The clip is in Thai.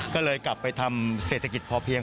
ก็เลยกลับไปทำเศรษฐกิจพอเพียง